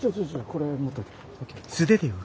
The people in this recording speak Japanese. これ。